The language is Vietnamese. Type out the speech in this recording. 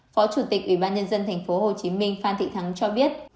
phó chủ tịch ủy ban nhân dân tp hcm phan thị thắng cho biết